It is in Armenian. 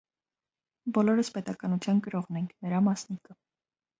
Բոլորս պետականության կրողն ենք, նրա մասնիկը։